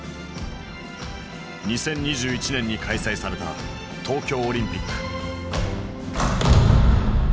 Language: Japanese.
２０２１年に開催された東京オリンピック。